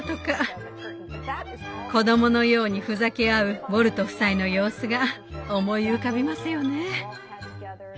子供のようにふざけ合うウォルト夫妻の様子が思い浮かびますよね。